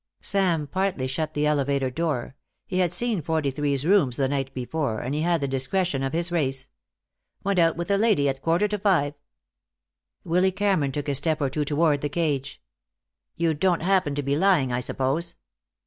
Sam partly shut the elevator door; he had seen Forty three's rooms the night before, and he had the discretion of his race. "Went out with a lady at quarter to five." Willy Cameron took a step or two toward the cage. "You don't happen to be lying, I suppose?"